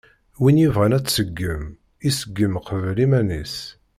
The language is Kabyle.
Win yebɣan ad tṣeggem, iṣeggem qbel iman-is.